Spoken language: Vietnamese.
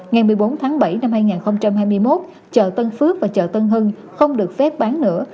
ngày một mươi bốn tháng bảy năm hai nghìn hai mươi một chợ tân phước và chợ tân hưng không được phép bán nữa